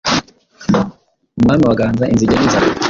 Umwami waganza inzige n'inzara,